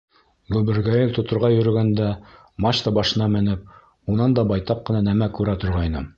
Гөбөргәйел тоторға йөрөгәндә, мачта башына менеп, унан да байтаҡ ҡына нәмә күрә торғайным.